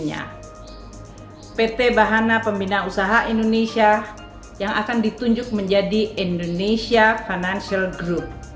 pt bahana pembina usaha indonesia yang akan ditunjuk menjadi indonesia financial group